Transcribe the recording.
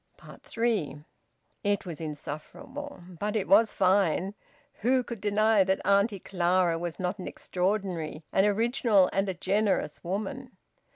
THREE. It was insufferable. But it was fine. Who could deny that Auntie Clara was not an extraordinary, an original, and a generous woman?